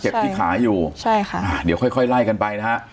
ที่ขาอยู่ใช่ค่ะอ่าเดี๋ยวค่อยค่อยไล่กันไปนะฮะ